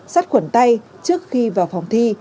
sắt khuẩn tay trước khi vào phòng thi